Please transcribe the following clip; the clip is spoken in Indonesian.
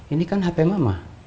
ini kan hp mama